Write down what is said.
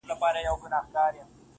کور مي ورانېدی ورته کتله مي.